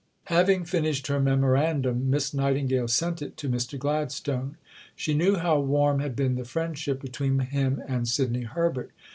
Having finished her Memorandum, Miss Nightingale sent it to Mr. Gladstone. She knew how warm had been the friendship between him and Sidney Herbert.